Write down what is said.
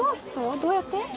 どうやって？